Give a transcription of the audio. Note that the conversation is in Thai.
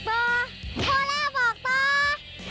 พอแล้วบอกต่อ